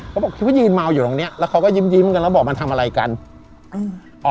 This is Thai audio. เขาบอกคิดว่ายืนเมาอยู่ตรงเนี้ยแล้วเขาก็ยิ้มยิ้มกันแล้วบอกมันทำอะไรกันอืมอ๋อ